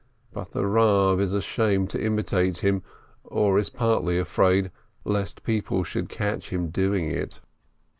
But the Rav is ashamed to imitate him, or is partly afraid, lest people should catch him doing it.